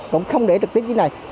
cũng không để trực tiếp như thế này